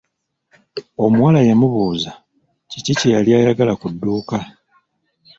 Omuwala yamubuuza ki kye yali ayagala ku dduuka.